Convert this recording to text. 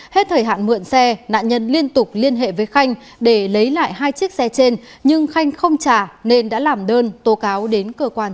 hết thời hạn mượn xe nạn nhân liên tục liên hệ với khanh để lấy lại hai chiếc xe trên nhưng khanh không trả nên đã làm đơn